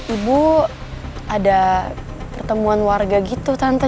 ibu ada pertemuan warga gitu tante